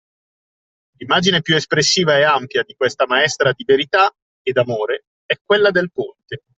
L'immagine più espressiva e ampia di questa maestra di verità e d'amore è quella del ponte